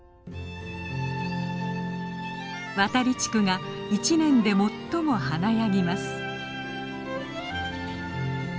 渡利地区が一年で最も華やぎます。